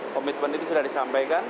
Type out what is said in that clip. komitmen itu sudah disampaikan